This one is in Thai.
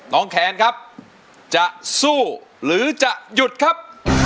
แคนครับจะสู้หรือจะหยุดครับ